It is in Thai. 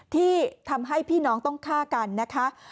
ที่ทำให้พี่น้องต้องฆ่ากันนะคะ